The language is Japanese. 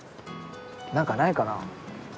何かないかな？